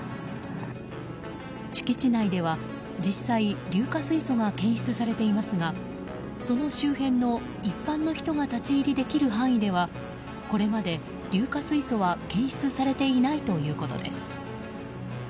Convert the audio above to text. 敷地内では、実際硫化水素が検出されていますがその周辺の一般の人が立ち入りできる範囲ではこれまで硫化水素は検出されていないということです。